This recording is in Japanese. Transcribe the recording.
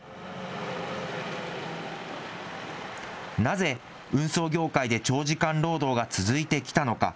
なぜ運送業界で長時間労働が続いてきたのか。